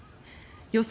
予想